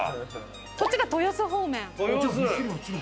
こっちが豊洲方面。